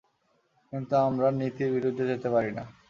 কিন্তু আমরা নীতির বিরুদ্ধে যেতে পারি না।